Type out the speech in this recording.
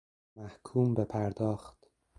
محکوم به پرداخت...